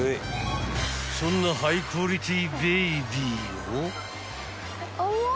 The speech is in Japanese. ［そんなハイクオリティーベイビーを］